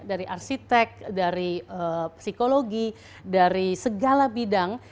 dari arsitek dari psikologi dari segala bidang